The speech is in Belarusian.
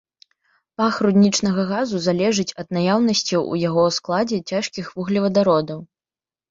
Пах руднічнага газу залежыць ад наяўнасці ў яго складзе цяжкіх вуглевадародаў.